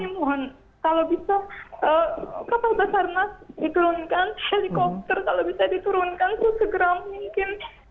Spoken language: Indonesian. kami mohon kami mohon kalau bisa kapal basar nasi diturunkan helikopter kalau bisa diturunkan sukses geram mungkin